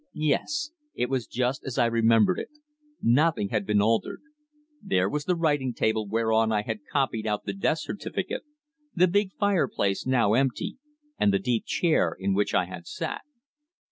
Yes. It was just as I remembered it. Nothing had been altered. There was the writing table whereon I had copied out the death certificate; the big fireplace, now empty, and the deep chair in which I had sat.